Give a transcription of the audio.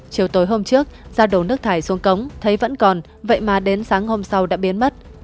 chiều tối hôm trước gia đổ nước thải xuống cống thấy vẫn còn vậy mà đến sáng hôm sau đã biến mất